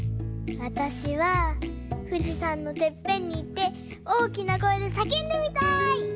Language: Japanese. わたしはふじさんのてっぺんにいっておおきなこえでさけんでみたい！